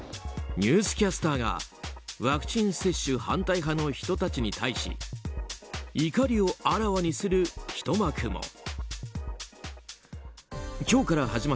ニュースキャスターがワクチン接種反対派の人たちに対し怒りをあらわにするひと幕も。